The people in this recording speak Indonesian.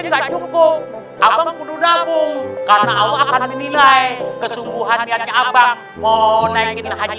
nggak cukup abang perlu nabung karena allah akan menilai kesungguhan niatnya abang mau naikin haji